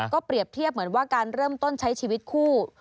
เปรียบเทียบเหมือนว่าการเริ่มต้นใช้ชีวิตคู่